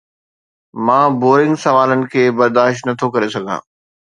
مان بورنگ سوالن کي برداشت نٿو ڪري سگهان